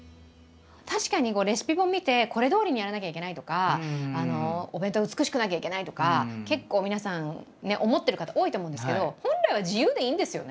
確かにレシピ本見てこれどおりにやらなきゃいけないとかお弁当は美しくなきゃいけないとか結構皆さん思ってる方多いと思うんですけどそうですね。